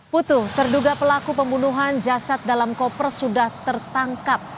putu terduga pelaku pembunuhan jasad dalam koper sudah tertangkap